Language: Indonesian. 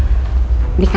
emaknya udah nyokap